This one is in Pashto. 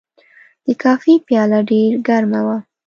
د کافي پیاله ډېر ګرمه وه.